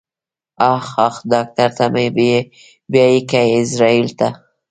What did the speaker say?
اخ اخ ډاکټر ته مې بيايې که ايزرايل ته.